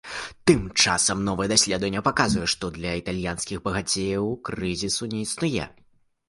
Тым часам новае даследаванне паказвае, што для італьянскіх багацеяў крызісу не існуе.